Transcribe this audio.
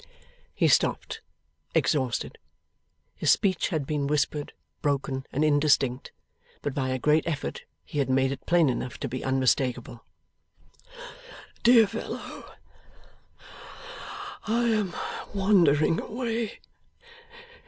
He stopped, exhausted. His speech had been whispered, broken, and indistinct; but by a great effort he had made it plain enough to be unmistakeable. 'Dear fellow, I am wandering away.